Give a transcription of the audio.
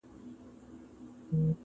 مګر زه خو قاتل نه یمه سلطان یم٫